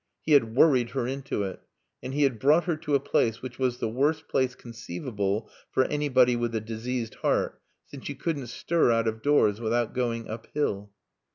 He had worried her into it. And he had brought her to a place which was the worst place conceivable for anybody with a diseased heart, since you couldn't stir out of doors without going up hill.